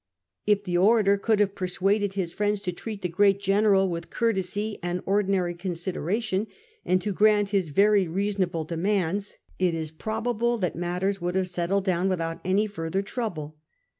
If the orator could have persuaded his friends to treat the great general with courtesy and ordinary consideration, and to grant his very reasonable demands, it is probable that matters would have settled down without any further trouble.